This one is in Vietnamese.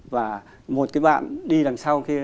và một cái bạn đi đằng sau kia